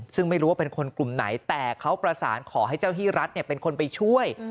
ซึ่งไม่รู้ว่าเป็นคนกลุ่มไหนแต่เขาประสานขอให้เจ้าที่รัฐเป็นคนไปช่วย